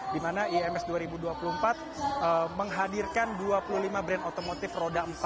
di mana ims dua ribu dua puluh empat menghadirkan dua puluh lima brand otomotif roda empat